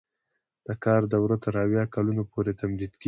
د کار دوره تر اویا کلونو پورې تمدید کیږي.